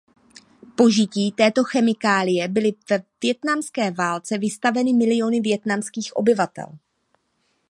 Požití této chemikálie byly ve vietnamské válce vystaveny milióny vietnamských obyvatel.